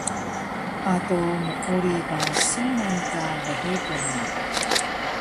ado mquri ba sunan ka lhebun mu